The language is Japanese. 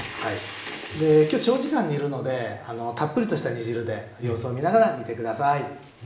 で今日長時間煮るのでたっぷりとした煮汁で様子を見ながら煮て下さい。